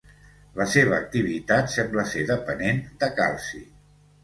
La seva activitat sembla ser depenent de calci.